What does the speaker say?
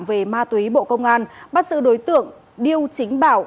về ma túy bộ công an bắt giữ đối tượng điêu chính bảo